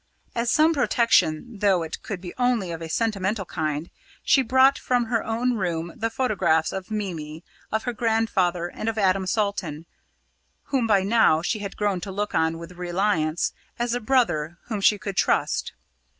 As some protection, though it could be only of a sentimental kind, she brought from her own room the photographs of Mimi, of her grandfather, and of Adam Salton, whom by now she had grown to look on with reliance, as a brother whom she could trust.